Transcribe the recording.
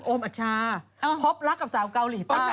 อัชชาพบรักกับสาวเกาหลีใต้